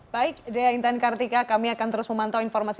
baik daya intan kartika kami akan terus memantau informasi